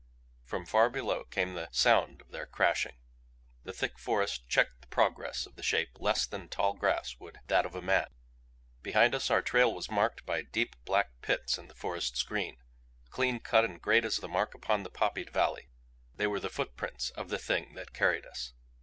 From far below came the sound of their crashing. The thick forest checked the progress of the Shape less than tall grass would that of a man. Behind us our trail was marked by deep, black pits in the forest's green, clean cut and great as the Mark upon the poppied valley. They were the footprints of the Thing that carried us.